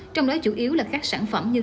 trong đó chủ yếu là các sản phẩm như